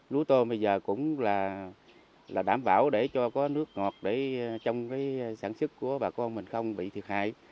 lúa tôm bây giờ cũng là đảm bảo để cho có nước ngọt để trong cái sản xuất của bà con mình không bị thiệt hại